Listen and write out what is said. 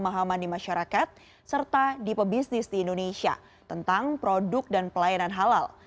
menambahkan hal ini disebabkan masih kurangnya pemahaman di masyarakat serta di pebisnis di indonesia tentang produk dan pelayanan halal